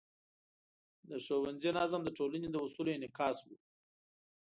د ښوونځي نظم د ټولنې د اصولو انعکاس و.